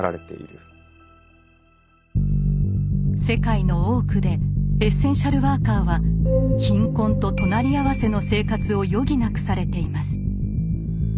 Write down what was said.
世界の多くでエッセンシャルワーカーは貧困と隣り合わせの生活を余儀なくされています。